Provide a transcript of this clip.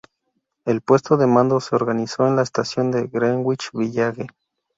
El puesto de mando se organizó en la estación de Greenwich Village.